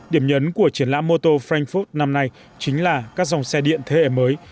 điểm nhấn của triển lãm mô tô frankfurt năm nay chính là các dòng xe điện thế hệ mới